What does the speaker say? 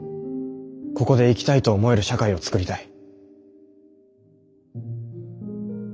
ここで生きたいと思える社会を創りたい。